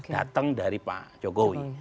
datang dari pak jokowi